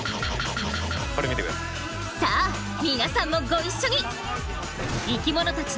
さあ皆さんもご一緒に！